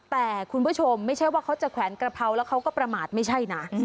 แต่คุณผู้ชมไม่ใช่ว่าเขาจะแขวนกระเพราแล้วเขาก็ประมาทไม่ใช่นะ